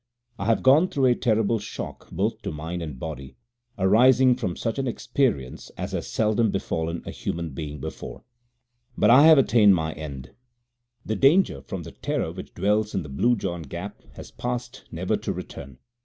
I have gone through a terrible shock both to mind and body, arising from such an experience as has seldom befallen a human being before. But I have attained my end. The danger from the Terror which dwells in the Blue John Gap has passed never to return.